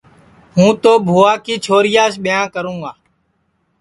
ہُوں تو بھُوا کی چھوریاس ٻِیانٚھ کروں گا